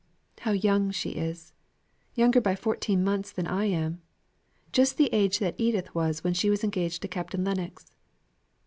"How young she is! younger by fourteen months than I am. Just the age that Edith was when she was engaged to Captain Lennox.